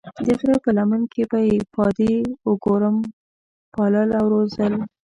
د غره په لمن کې به یې پادې او ګورم پالل او روزل.